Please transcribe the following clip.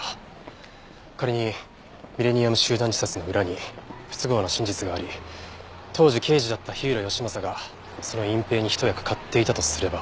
仮にミレニアム集団自殺の裏に不都合な真実があり当時刑事だった火浦義正がその隠蔽に一役買っていたとすれば。